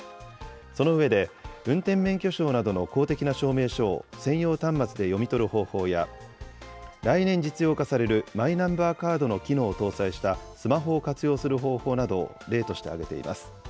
その上で、運転免許証などの公的な証明書を専用端末で読み取る方法や、来年実用化されるマイナンバーカードの機能を搭載したスマホを活用する方法などを例として挙げています。